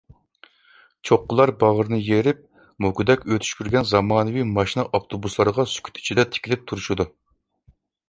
چوققىلار باغرىنى يېرىپ، موكىدەك ئۆتۈشۈپ يۈرگەن زامانىۋى ماشىنا-ئاپتوبۇسلارغا سۈكۈت ئىچىدە تىكىلىپ تۇرۇشىدۇ.